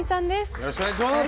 よろしくお願いします。